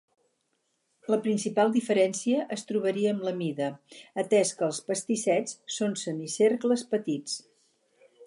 La principal diferència es trobaria en la mida, atès que els pastissets són semicercles petits.